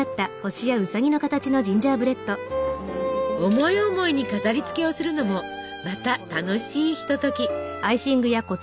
思い思いに飾りつけをするのもまた楽しいひととき。